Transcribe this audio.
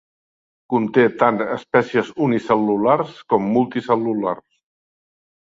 Conté tant espècies unicel·lulars com multicel·lulars.